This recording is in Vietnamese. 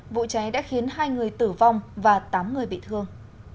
vụ cháy đã khiến hai người tử vong và tám người bị thương